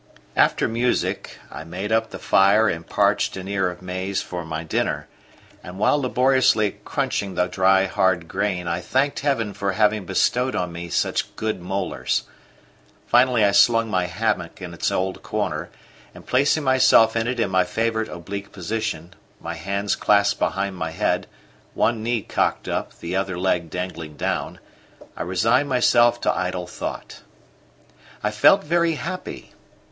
After music I made up the fire and parched an ear of maize for my dinner, and while laboriously crunching the dry hard grain I thanked Heaven for having bestowed on me such good molars. Finally I slung my hammock in its old corner, and placing myself in it in my favourite oblique position, my hands clasped behind my head, one knee cocked up, the other leg dangling down, I resigned myself to idle thought. I felt very happy.